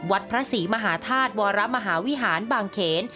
วัดพระศรีมหาธาตุวรมหาวิหารบางเขน